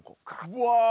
うわ！